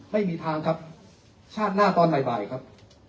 ไม่มีทางครับชาติหน้าตอนบ่ายครับ